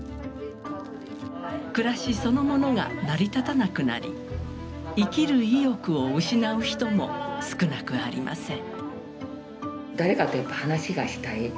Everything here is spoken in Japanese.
暮らしそのものが成り立たなくなり生きる意欲を失う人も少なくありません。